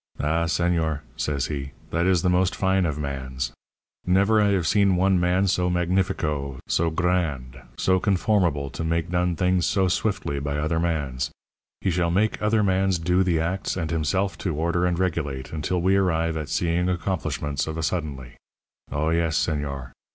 "'Ah, señor,' says he, 'that is the most fine of mans. Never I have seen one man so magnifico, so gr r rand, so conformable to make done things so swiftly by other mans. He shall make other mans do the acts and himself to order and regulate, until we arrive at seeing accomplishments of a suddenly. Oh, yes, señor.